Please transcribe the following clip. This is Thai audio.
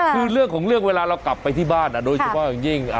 คือเรื่องของเรื่องเวลาเรากลับไปที่บ้านโดยเฉพาะอย่างยิ่ง